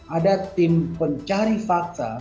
ada tim pencari fakta